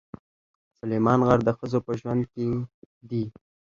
سلیمان غر د ښځو په ژوند کې دي.